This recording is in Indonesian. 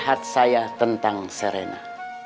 sekian curhat saya tentang serena